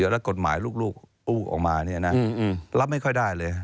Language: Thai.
แต่ถ้ากฎหมายลูกอู้ออกมารับไม่ค่อยได้เลย